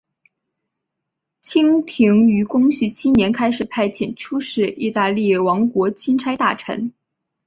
清廷于光绪七年开始派遣出使意大利王国钦差大臣。